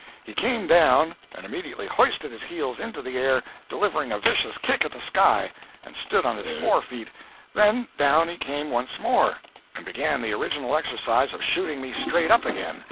He came down, and immediately hoisted his heels into the air, delivering a vicious kick at the sky, and stood on his forefeet. And then down he came once more, and began the original exercise of shooting me straight up again.